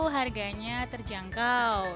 harga yang terjangkau